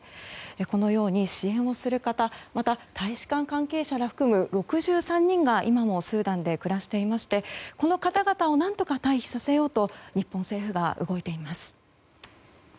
このように、支援をする方やまた、大使館関係者らを含む６３人が、今もスーダンで暮らしていましてこの方々を何とか退避させようと日本政府が動いています。